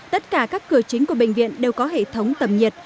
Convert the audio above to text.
tất cả các cửa chính của bệnh viện đều có hệ thống tầm nhiệt